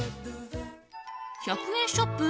１００円ショップ